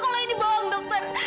kalau ini bohong dokter